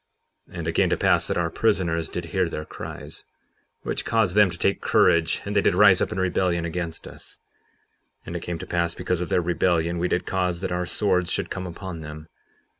57:32 And it came to pass that our prisoners did hear their cries, which caused them to take courage; and they did rise up in rebellion against us. 57:33 And it came to pass because of their rebellion we did cause that our swords should come upon them.